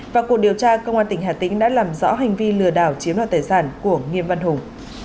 vào cuộc điều tra công an tỉnh hà tĩnh đã làm rõ hành vi lừa đảo chiếm đoạt tài sản của nghiêm văn hùng